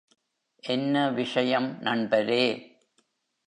என்ன விஷயம் நண்பரே?